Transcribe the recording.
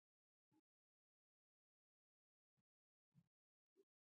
پیاز د ساه سیستم پاکوي